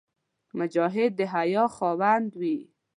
مجاهد د حیا خاوند وي.